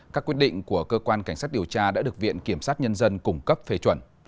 các quyết định của cơ quan cảnh sát điều tra đã được viện kiểm sát nhân dân cung cấp phê chuẩn